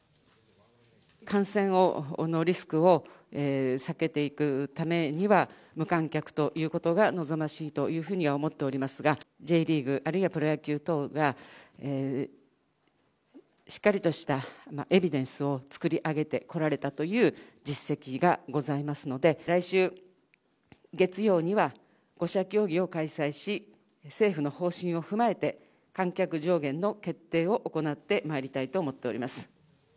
感染のリスクを避けていくためには、無観客ということが望ましいというふうには思っておりますが、Ｊリーグ、あるいはプロ野球等が、しっかりとしたエビデンスを作り上げてこられたという実績がございますので、来週月曜には、５者協議を開催し、政府の方針を踏まえて、観客上限の決定を行ってまいりたいと思っております。